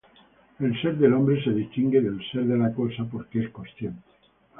El ser del hombre se distingue del ser de la cosa porque es consciente.